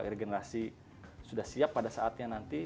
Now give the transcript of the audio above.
regenerasi sudah siap pada saatnya nanti